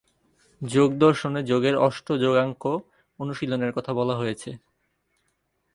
যোগদর্শনে যোগের অষ্ট যোগাঙ্গ অনুশীলনের কথা বলা হয়েছে।